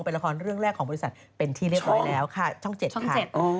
เป็นละครเรื่องแรกของบริษัทเป็นที่เรียบร้อยแล้วค่ะช่อง๗ค่ะ